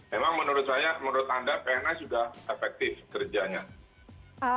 memang menurut saya menurut anda pns sudah efektif kerjanya